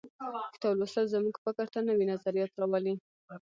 کتاب لوستل زموږ فکر ته نوي نظریات راولي.